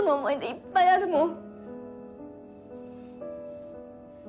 いっぱいあるもん。